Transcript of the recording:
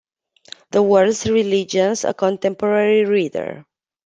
The World's Religions : A Contemporary Reader.